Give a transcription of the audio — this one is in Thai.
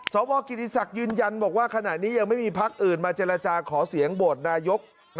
สวกิติศักดิ์ยืนยันบอกว่าขณะนี้ยังไม่มีพักอื่นมาเจรจาขอเสียงโหวตนายก